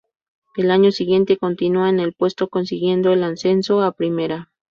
Al año siguiente continúa en el puesto, consiguiendo el ascenso a Primera.